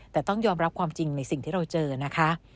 แต่ต้องยอมรับความจริงในสิ่งที่เราเจอนะคะ